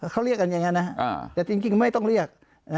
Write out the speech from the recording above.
เขาเรียกกันอย่างนั้นนะแต่จริงไม่ต้องเรียก